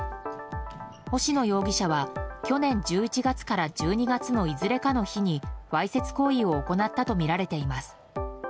星野容疑者は去年１１月から１２月のいずれかの日にわいせつ行為を行ったとみられています。